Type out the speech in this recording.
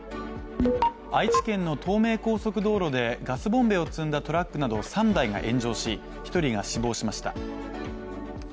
愛知県の東名高速道路でガスボンベを積んだトラックなど３台が炎上し、１人が死亡しました。